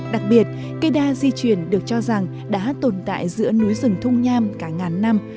đặc biệt cây đa di chuyển được cho rằng đã tồn tại giữa núi rừng thung nham cả ngàn năm